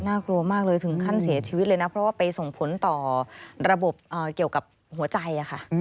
กลัวมากเลยถึงขั้นเสียชีวิตเลยนะเพราะว่าไปส่งผลต่อระบบเกี่ยวกับหัวใจค่ะ